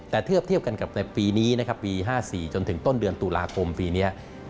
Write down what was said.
แต่เทียบกันกับในปีนี้นะครับปี๕๔จนถึงต้นเดือนตุลาคมปีนี้